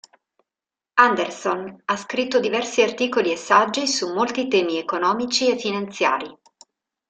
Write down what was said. Anderson ha scritto diversi articoli e saggi su molti temi economici e finanziari.